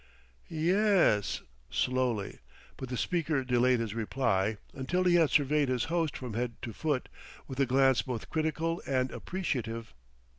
"Ye es," slowly. But the speaker delayed his reply until he had surveyed his host from head to foot, with a glance both critical and appreciative.